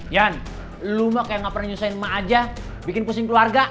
yan lu mah kayak gak pernah nyusahin emak aja bikin pusing keluarga